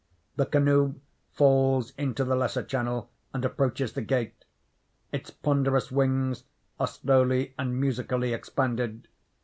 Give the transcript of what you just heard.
The canoe falls into the lesser channel and approaches the gate. Its ponderous wings are slowly and musically expanded.